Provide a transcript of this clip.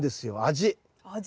味。